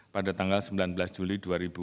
pada tanggal sembilan belas juli dua ribu dua puluh